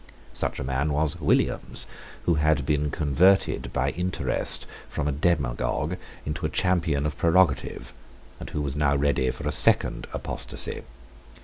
Such a man was Williams, who had been converted by interest from a demagogue into a champion of prerogative, and who was now ready for a second apostasy.